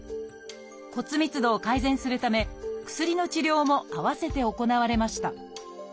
骨密度を改善するため薬の治療も併せて行われました。